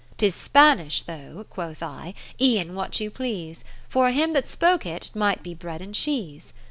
'Tis Spanish though, (quoth I) e'en what you please : For him that spoke it 't might be Bread and Cheese.